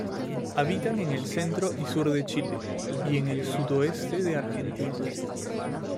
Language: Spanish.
Habitan en el centro y sur de Chile, y el sudoeste de la Argentina.